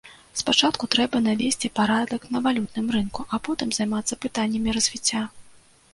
Спачатку трэба навесці парадак на валютным рынку, а потым займацца пытаннямі развіцця.